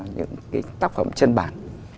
những tác phẩm trên bản